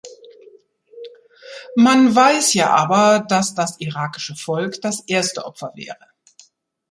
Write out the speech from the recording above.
Man weiß ja aber, dass das irakische Volk das erste Opfer wäre.